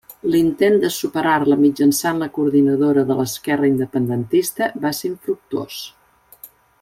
L'intent de superar-la mitjançant la Coordinadora de l'Esquerra Independentista va ser infructuós.